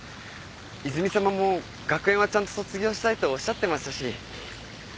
泉さまも学園はちゃんと卒業したいとおっしゃってましたし。